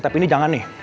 tapi ini jangan nih